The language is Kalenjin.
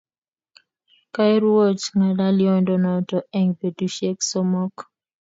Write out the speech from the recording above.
Koirwoch ng'alyondo notok eng' petusyek somok